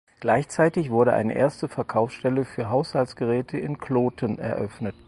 Gleichzeitig wurde eine erste Verkaufsstelle für Haushaltsgeräte in Kloten eröffnet.